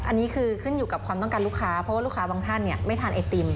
อันนี้คือขึ้นอยู่กับความต้องการลูกค้าเพราะว่าลูกค้าบางท่านไม่ทานไอติม